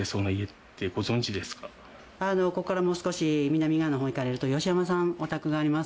ここからもう少し南側の方に行かれるとヨシヤマさんお宅があります。